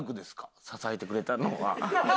支えてくれたのは。